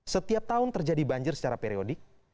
setiap tahun terjadi banjir secara periodik